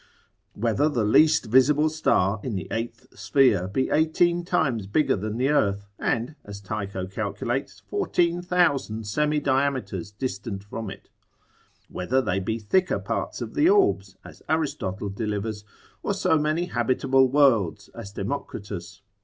Whether the least visible star in the eighth sphere be eighteen times bigger than the earth; and as Tycho calculates, 14,000 semi diameters distant from it? Whether they be thicker parts of the orbs, as Aristotle delivers: or so many habitable worlds, as Democritus?